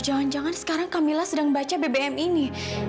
jangan jangan sekarang camilla sedang baca bbm ini